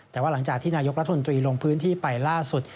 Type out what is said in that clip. แต่ว่าหลังจากที่นายกรัฐมนตรีลงพื้นที่ไปล่าสุด